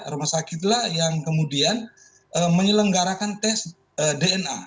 rumah sakit lah yang kemudian menyelenggarakan tes dna